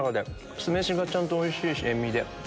酢飯がちゃんとおいしいし塩味で。